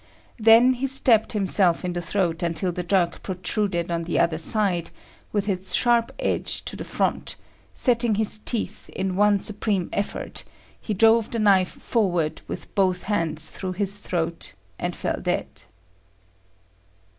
Then he stabbed himself in the throat until the dirk protruded on the other side, with its sharp edge to the front; setting his teeth in one supreme effort, he drove the knife forward with both hands through his throat, and fell dead.